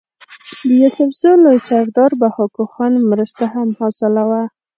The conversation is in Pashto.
د يوسفزو لوئ سردار بهاکو خان مرسته هم حاصله وه